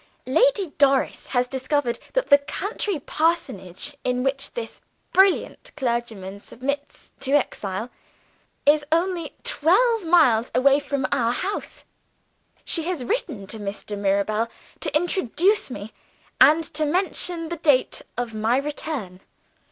"Lady Doris has discovered that the country parsonage, in which this brilliant clergyman submits to exile, is only twelve miles away from our house. She has written to Mr. Mirabel to introduce me, and to mention the date of my return.